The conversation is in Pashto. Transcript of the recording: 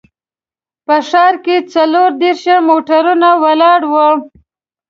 په ښار کې څلور دیرش موټرونه ولاړ وو.